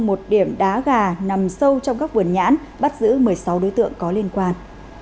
một điểm đá gà nằm sâu trong các vườn nhãn bắt giữ một mươi sáu đối tượng có liên quan